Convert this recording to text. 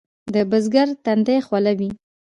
د بزګر تندی خوله وي.